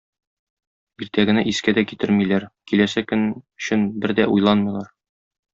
Иртәгене искә дә китермиләр, киләсе көн өчен бер дә уйланмыйлар.